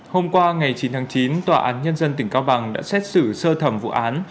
hôm qua ngày chín tháng chín tòa án nhân dân tỉnh cao bằng đã xét xử sơ thẩm vụ án